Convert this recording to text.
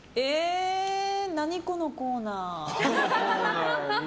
何、このコーナー。